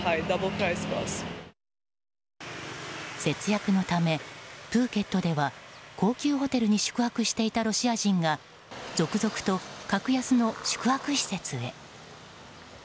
節約のためプーケットでは高級ホテルに宿泊していたロシア人が続々と格安の宿泊施設へ。